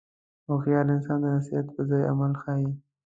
هوښیار انسان د نصیحت پر ځای عمل ښيي.